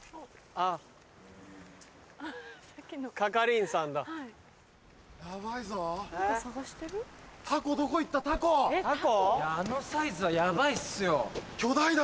あのサイズはヤバいっすよ。